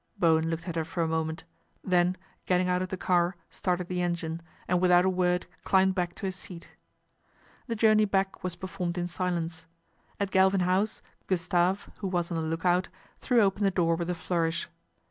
" Bowen looked at her for a moment, then, getting out of the car, started the engine, and with out a word climbed back to his seat. The journey back was performed in silence. At Galvin House Gustave, who was on the look out, threw open the door with a flourish.